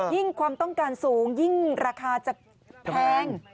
ความต้องการสูงยิ่งราคาจะแพง